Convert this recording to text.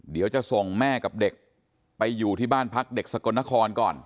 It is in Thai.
เดี๋ยวจะส่งแม่กับเด็กไปอยู่ที่บ้านพักเด็กสกลนครก่อน